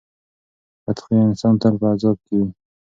بد خویه انسان تل په عذاب کې وي.